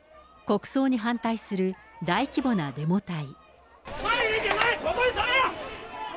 国葬に反対する大規模なデモ隊。